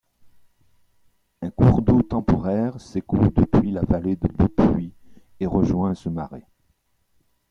Un cours d'eau temporaire s'écoule depuis la vallée de Beaupuits et rejoint ce marais.